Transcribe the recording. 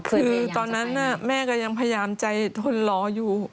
คือตอนนั้นแม่ก็ยังพยายามใจทนรออยู่